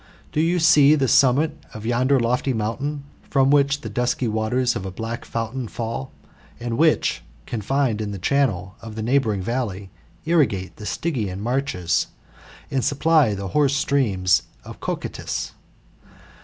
Do you see the summit of yonder lofty mountain, from which the dusky waters of a black fountain fall, and which confined in the channel of the neighbouring valley, irrigate the Stygian marshes, and supply the hoarse streams of Cocytus